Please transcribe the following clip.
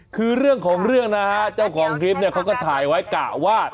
คือเรื่องของเรื่องนะฮะเจ้าของคลิปเนี่ยเขาก็ถ่ายไว้กะว่า